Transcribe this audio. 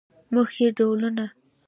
د موخې ډولونه